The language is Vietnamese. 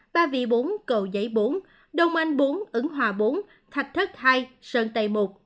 ba vị bốn cậu giấy bốn đồng anh bốn ứng hòa bốn thạch thất hai sơn tây một